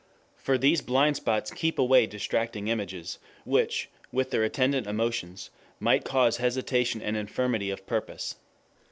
For these blind spots keep away distracting images, which with their attendant emotions, might cause hesitation and infirmity of purpose.